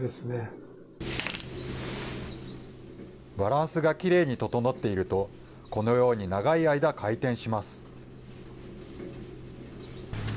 バランスがきれいに整っていると、このように長い間回転します。